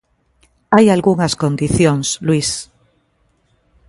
Hai algunhas condicións, Luís.